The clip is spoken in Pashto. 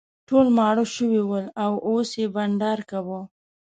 ټول ماړه شوي ول او اوس یې بانډار کاوه.